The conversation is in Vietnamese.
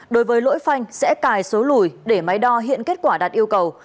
đối với lỗi phanh sẽ cài số lùi để máy đo hiện kết quả đạt yêu cầu